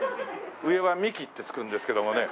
上は三木って付くんですけどもね。